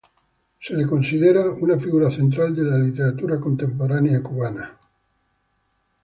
Es considerado como una figura central de la literatura contemporánea cubana.